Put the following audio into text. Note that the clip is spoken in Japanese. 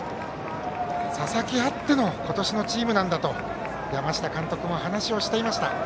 佐々木あっての今年のチームなんだと山下監督も話をしていました。